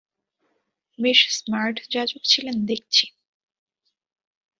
বেশ স্মার্ট যাজক ছিলেন দেখছি?